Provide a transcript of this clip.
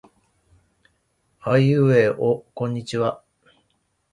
あいうえおこんにちは。